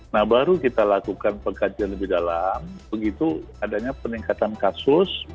nah baru kita lakukan pengkajian lebih dalam begitu adanya peningkatan kasus